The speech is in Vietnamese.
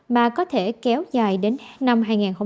mà có thể kéo dài đến năm hai nghìn hai mươi